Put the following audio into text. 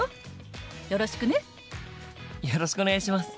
よろしくお願いします。